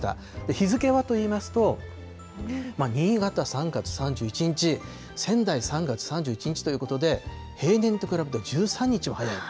日付はといいますと、新潟３月３１日、仙台３月３１日ということで、平年と比べて１３日も早い。